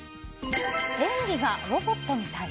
演技がロボットみたい。